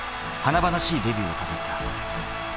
華々しいデビューを飾った。